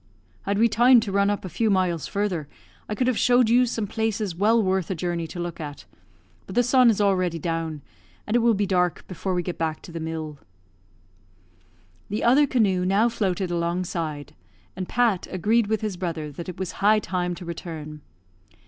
"Had we time to run up a few miles further, I could have showed you some places well worth a journey to look at; but the sun is already down, and it will be dark before we get back to the mill." The other canoe now floated alongside, and Pat agreed with his brother that it was high time to return.